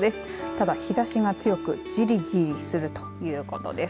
ただ、日ざしが強くじりじりするということです。